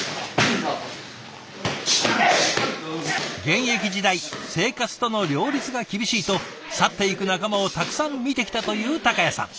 現役時代生活との両立が厳しいと去っていく仲間をたくさん見てきたという孝也さん。